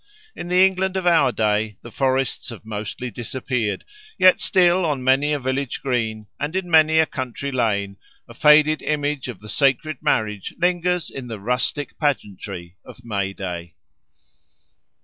In the England of our day the forests have mostly disappeared, yet still on many a village green and in many a country lane a faded image of the sacred marriage lingers in the rustic pageantry of May Day.